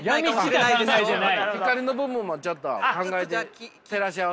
光の部分もちょっと考えて照らし合わせて。